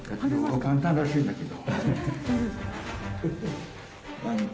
簡単らしいんだけど。